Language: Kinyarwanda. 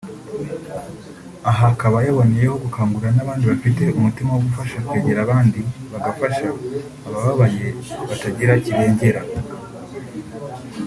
aha akaba yaboneyeho gukangurira n'abandi bafite umutima wo gufasha kwegera abandi bagafasha ababaye batagira kirengera